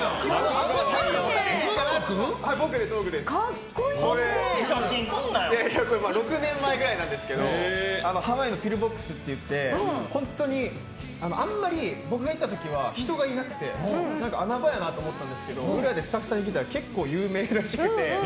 中川君？これ、６年前くらいなんですがハワイのピルボックスといって本当に、あんまり僕が行った時は人がいなくて穴場やなと思ったんですけど裏にスタッフさんに聞いたら結構有名らしくて。